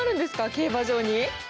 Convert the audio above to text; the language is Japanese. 競馬場に。